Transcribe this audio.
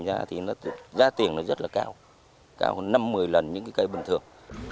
giá tiền nó rất là cao cao hơn năm mười lần những cây bình thường